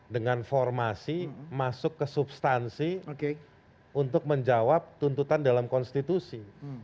dengan formasi masuk ke substansi untuk menjawab tuntutan dalam konstitusi